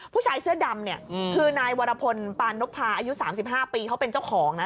ผู้ชายเสื้อดำเนี่ยคือนายวรพลปานนพพาอายุ๓๕ปีเขาเป็นเจ้าของนะ